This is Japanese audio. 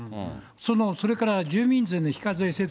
その、それから住民税の非課税世帯